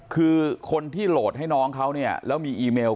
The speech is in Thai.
คือคนที่โหลดให้น้องเขาเนี่ยแล้วมีอีเมล